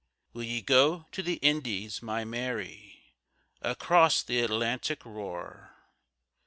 Will ye go to the Indies, my Mary, Across th' Atlantic roar?